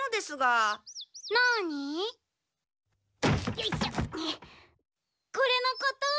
よいしょこれのこと？